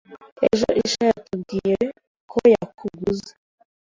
ejo isha yatubwiye ko yakuguze